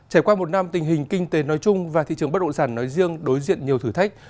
trải qua một năm tình hình kinh tế nói chung và thị trường bất động sản nói riêng đối diện nhiều thử thách